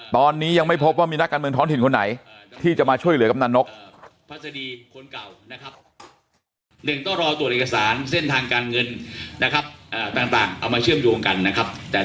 ตอนนี้ยังไม่พบว่ามีนักการเมืองท้องถิ่นคนไหนที่จะมาช่วยเหลือกำนันนก